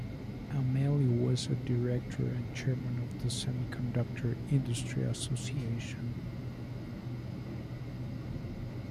Amelio was a director and chairman of the Semiconductor Industry Association.